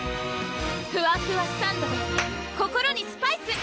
ふわふわサンドｄｅ心にスパイス！